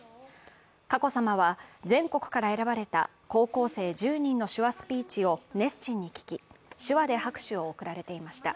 佳子さまは全国から選ばれた高校生１０人の手話スピーチを熱心に聞き、手話で拍手を送られていました。